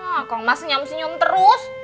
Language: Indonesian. nah kalau mas senyum senyum terus